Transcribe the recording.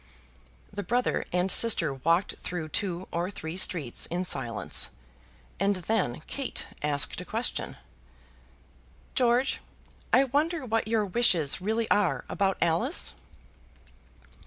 The brother and sister walked through two or three streets in silence, and then Kate asked a question. "George, I wonder what your wishes really are about Alice?"